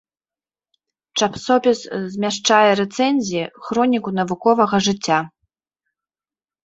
Часопіс змяшчае рэцэнзіі, хроніку навуковага жыцця.